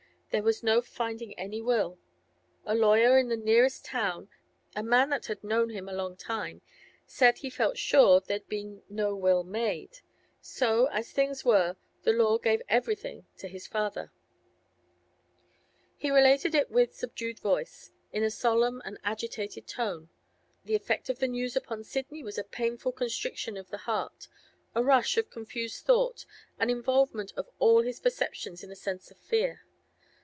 There was no finding any will; a lawyer in the nearest town, a man that had known him a long time, said he felt sure there'd been no will made. So, as things were, the law gave everything to his father.' He related it with subdued voice, in a solemn and agitated tone. The effect of the news upon Sidney was a painful constriction of the heart, a rush of confused thought, an involvement of all his perceptions in a sense of fear.